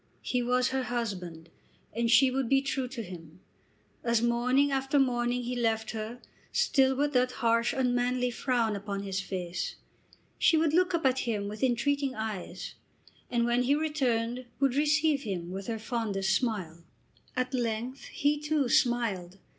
He was her husband, and she would be true to him. As morning after morning he left her, still with that harsh, unmanly frown upon his face, she would look up at him with entreating eyes, and when he returned would receive him with her fondest smile. At length he, too, smiled.